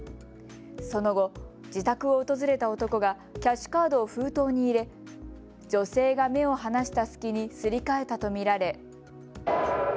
その後、自宅を訪れた男がキャッシュカードを封筒に入れ女性が目を離した隙にすり替えたと見られ。